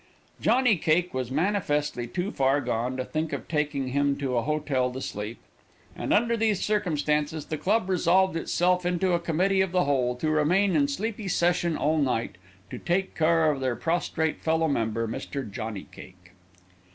Johnny Cake was manifestly too far gone to think of taking him to a hotel to sleep, and under these circumstances the club resolved itself into a committee of the whole, to remain in sleepy session all night, to take care of their prostrate fellow member, Mr. Johnny Cake.